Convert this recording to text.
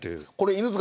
犬塚